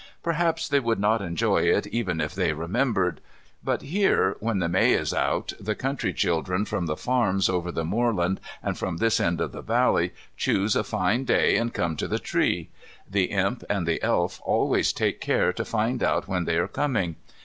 Perhaps they would not enjoy it even if they remembered. But here, when the May is out, the country children from the farms over the moorland and from this end of the valley choose a fine day and come to the tree. The Imp and the Elf always take care to find out when they are coming.